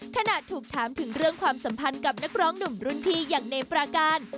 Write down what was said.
ขณะถูกถามถึงเรื่องความสัมพันธ์กับนักร้องหนุ่มรุ่นพี่อย่างเนปราการ